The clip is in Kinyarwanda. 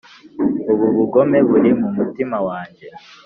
ubu bugome buri mu mutima wanjye,